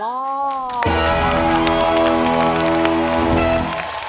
บอร์